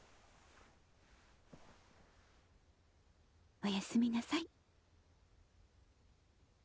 おやすみなさい。